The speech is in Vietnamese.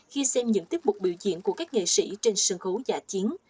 khi xem những tiết mục biểu diễn của các nghệ sĩ trên sân khấu giả chiến